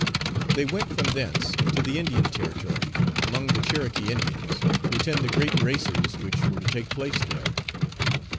They went from thence to the Indian Territory, among the Cherokee Indians, to attend the great races which were to take place there.